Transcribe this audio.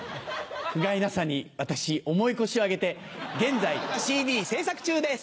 ふがいなさに私重い腰を上げて現在ＣＤ制作中です！